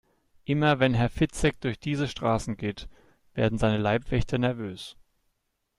Immer wenn Herr Fitzek durch diese Straßen geht, werden seine Leibwächter nervös.